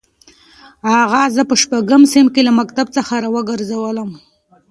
اغا زه په شپږم صنف کې له مکتب څخه راوګرځولم.